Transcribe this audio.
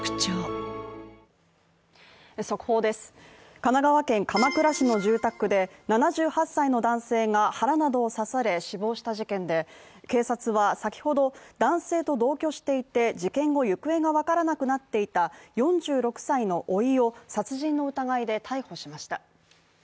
神奈川県鎌倉市の住宅で７８歳の男性が腹などを刺され死亡した事件で、警察は先ほど、男性と同居していて、事件後行方がわからなくなっていた４６歳のおいを殺人の疑いで逮捕しました。